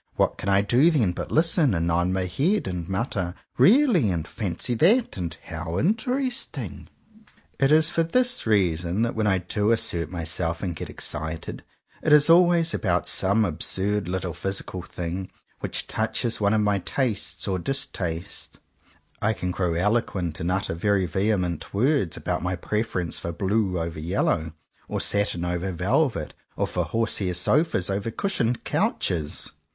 What can I do then but listen, and nod my head, and mutter ''Really!" and ''Fancy that!" and "How interesting!" It is for this reason that when I do assert myself and get excited, it is always about some absurd little physical thing which touches one of my tastes or distastes. I can grow eloquent and utter very vehement words about my preference for blue over yellow, or for satin over velvet, or for horse hair sofas over cushioned couches.